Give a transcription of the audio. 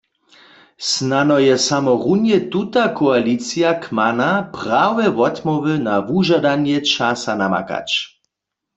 Snano je samo runje tuta koalicija kmana, prawe wotmołwy na wužadanje časa namakać.